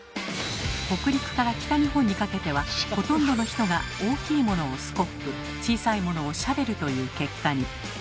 北陸から北日本にかけてはほとんどの人が大きいものをスコップ小さいものをシャベルと言う結果に。